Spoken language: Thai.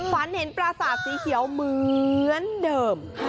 ฝันเห็นปราสาทสีเขียวเหมือนเดิม